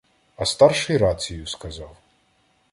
А старший рацію сказав: